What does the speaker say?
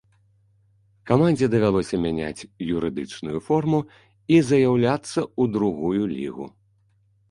Камандзе давялося мяняць юрыдычную форму і заяўляцца ў другую лігу.